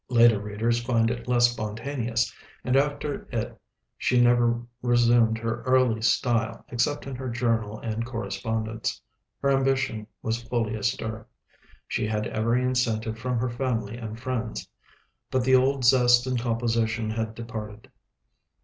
Later readers find it less spontaneous, and after it she never resumed her early style except in her journal and correspondence. Her ambition was fully astir. She had every incentive from her family and friends. But the old zest in composition had departed.